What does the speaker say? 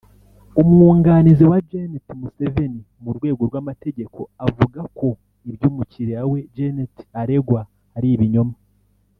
umwunganizi wa Janet Museveni mu rwego rw’amategeko avuga ko ibyo umukiriya we Janet aregwa ari ibinyoma